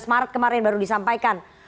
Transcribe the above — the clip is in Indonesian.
maret kemarin baru disampaikan